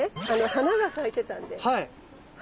花が咲いてたんで。